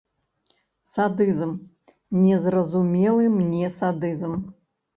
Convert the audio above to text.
Садызм, незразумелы мне садызм.